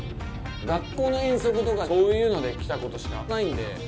学校の遠足とか、そういうので来たことしかないんで。